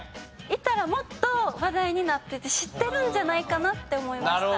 いたらもっと話題になってて知ってるんじゃないかなって思いました。